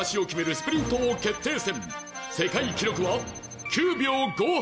スプリント王決定戦」「世界記録は９秒５８！」